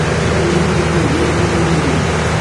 Ad ilint tlemmiẓin timaynutin.